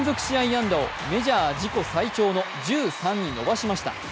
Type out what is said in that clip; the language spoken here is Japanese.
安打をメジャー自己最多の１３に伸ばしました。